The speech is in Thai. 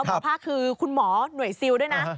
หมอภาคคือคุณหมอหน่วยซิลด้วยนะ